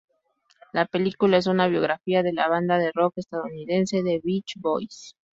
La película es una biografía de la banda de rock estadounidense The Beach Boys.